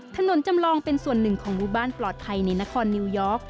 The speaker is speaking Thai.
จำลองเป็นส่วนหนึ่งของหมู่บ้านปลอดภัยในนครนิวยอร์ก